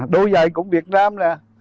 đôi giày cũng việt nam